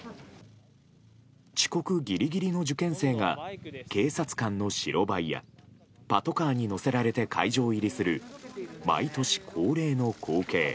遅刻ギリギリの受験生が警察官の白バイやパトカーに乗せられて会場入りする毎年恒例の光景。